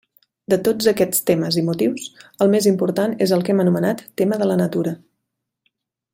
De tots aquests temes i motius, el més important és el que hem anomenat tema de la natura.